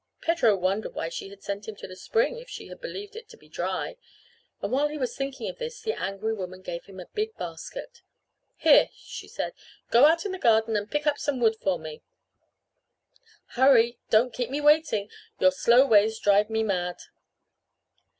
Pedro wondered why she had sent him to the spring if she had believed it to be dry, and while he was thinking of this the angry woman gave him a big basket. "Here," she said. "Go out in the garden and pick up some wood for me. Hurry. Don't keep me waiting. Your slow ways drive me mad."